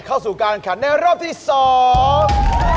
เข้าสู่การขันในรอบที่สอง